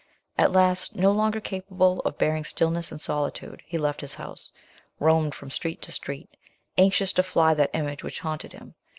At last, no longer capable of bearing stillness and solitude, he left his house, roamed from street to street, anxious to fly that image which haunted him.